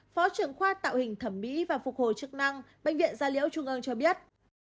phó trưởng khoa tạo hình thẩm mỹ và phục hồi chức năng bệnh viện gia liễu trung ương cho biết